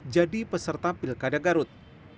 jadi peserta pilkada garut